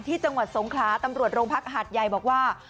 จังหวัดสงขลาตำรวจโรงพักหาดใหญ่บอกว่า